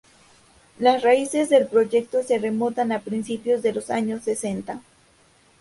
Las raíces del proyecto se remontan a principios de los años sesenta.